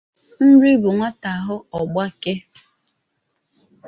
Nri bụ nwata hụ ọ gbakee